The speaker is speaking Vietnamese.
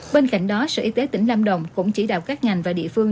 bên cạnh đó sở y tế tỉnh lâm đồng cũng chỉ đạo các ngành và địa phương